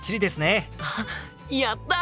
あっやった！